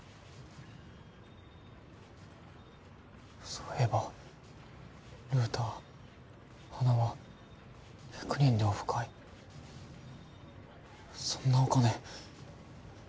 そういえばルーター花輪１００人でオフ会そんなお金